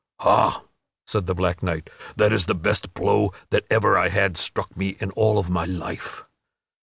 "Ha," said the black knight, "that is the best blow that ever I had struck me in all of my life."